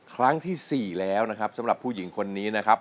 ครั้งที่๔แล้วนะครับสำหรับผู้หญิงคนนี้นะครับ